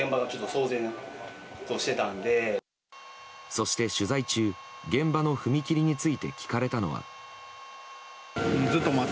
そして、取材中現場の踏切について聞かれたのは。